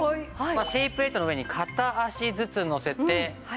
シェイプエイトの上に片足ずつのせて降ります。